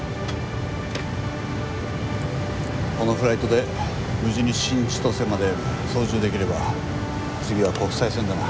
このフライトで無事に新千歳まで操縦できれば次は国際線だな。